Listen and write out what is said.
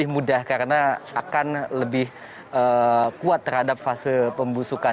mudah karena akan lebih kuat terhadap fase pembusukan